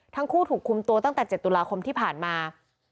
ทั้งคู่ถูกคุมตัวตั้งแต่๗ตุลาคมที่ผ่านมา